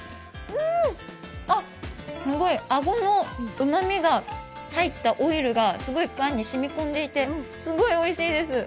うーん、すごい、あごのうまみが入ったオイルがパンに染み込んでいてすごいおいしいです。